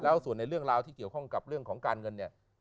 แล้วส่วนในเรื่องราวที่เกี่ยวข้องกับเรื่องของการเงินเนี่ย